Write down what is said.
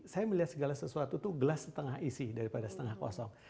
saya melihat segala sesuatu itu gelas setengah isi daripada setengah kosong